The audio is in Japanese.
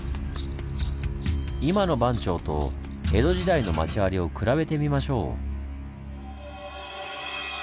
今の番町と江戸時代の町割を比べてみましょう。